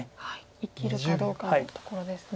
生きるかどうかってところですね。